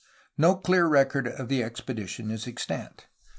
No clear record of the expedition is extant.